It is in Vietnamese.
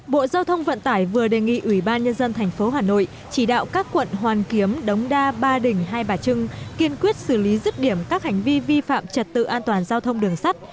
bộ giao thông vận tải vừa đề nghị ủy ban nhân dân tp hà nội chỉ đạo các quận hoàn kiếm đống đa ba đình hai bà trưng kiên quyết xử lý rứt điểm các hành vi vi phạm trật tự an toàn giao thông đường sắt